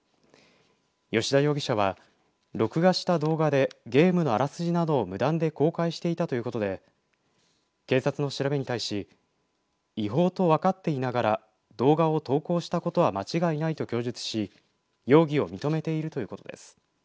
吉田容疑者は録画した動画でゲームのあらすじなどを無断で公開していたということで警察の調べに対し違法と分かっていながら動画を投稿したことは間違いないと供述し容疑を認めているということです。